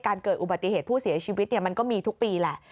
เกิดอุบัติเหตุผู้เสียชีวิตมันก็มีทุกปีแหละ